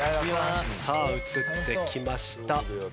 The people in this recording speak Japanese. さあ移ってきました。